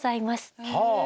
はあ！